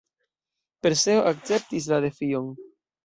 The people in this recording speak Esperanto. Perseo akceptis la defion.